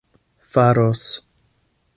faros